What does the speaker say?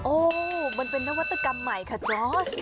มันเป็นนวัตกรรมใหม่ค่ะจอร์ช